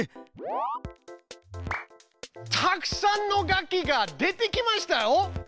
たくさんの楽器が出てきましたよ。